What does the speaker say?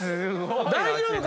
大丈夫か？